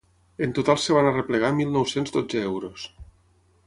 En total es van arreplegar mil nou-cents dotze euros.